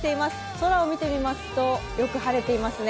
空を見てみますと、よく晴れていますね。